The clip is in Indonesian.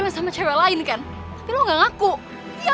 butuh selalu bilang gak bisa